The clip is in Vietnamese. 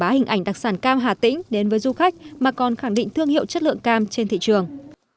để quảng bá hình ảnh đặc sản cam hà tĩnh đến với du khách mà còn khẳng định thương hiệu chất lượng cam trên thị trường